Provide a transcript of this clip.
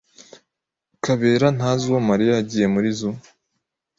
Kabera ntazi uwo Mariya yagiye muri zoo.